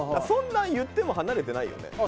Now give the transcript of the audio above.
そんな言っても離れてないよね。